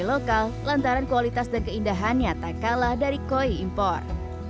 lokal lantaran kualitas dan keindahannya tak kalah dari koi impor